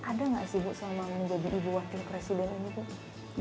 ada nggak sih bu selama menjadi ibu wakil presiden ibu